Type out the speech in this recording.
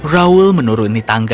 raul menuruni tangga